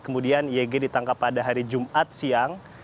kemudian yg ditangkap pada hari jumat siang